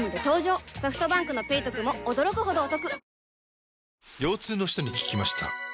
ソフトバンクの「ペイトク」も驚くほどおトク